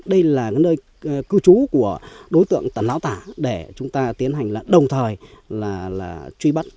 đây là nơi cư trú của đối tượng tần láo tảng để chúng ta tiến hành đồng thời truy bắt